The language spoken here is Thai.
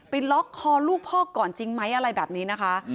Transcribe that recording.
ล็อกคอลูกพ่อก่อนจริงไหมอะไรแบบนี้นะคะ